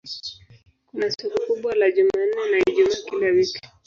Kuna soko kubwa la Jumanne na Ijumaa kila wiki.